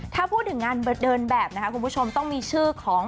ถ้าพูดถึงงานเดินแบบนะคะคุณผู้ชมต้องมีชื่อของ